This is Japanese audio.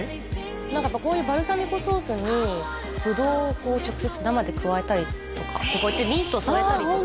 何かやっぱこういうバルサミコソースにブドウを直接生で加えたりとかこうやってミント添えたりとかあ